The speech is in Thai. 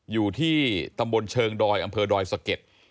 อยู่ที่ตำบลเชิงดอยอำเภอดอยสะเก็ด